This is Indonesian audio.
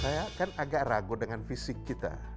saya kan agak ragu dengan fisik kita